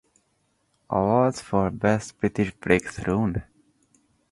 Awards for Best British Breakthrough-n.